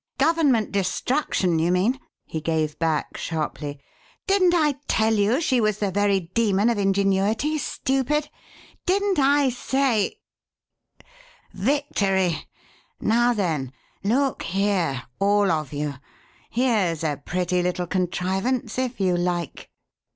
"Government destruction, you mean!" he gave back sharply. "Didn't I tell you she was a very demon of ingenuity, stupid? Didn't I say Victory! Now then, look here all of you! Here's a pretty little contrivance, if you like."